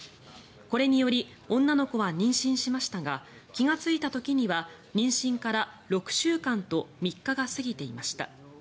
これにより女の子は妊娠しましたが気がついた時には妊娠から６週間と３日が過ぎていました。